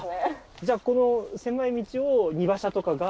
じゃあこの狭い道を荷馬車とかが走ってた。